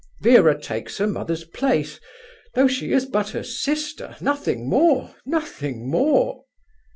Vera takes her mother's place, though she is but her sister... nothing more... nothing more..."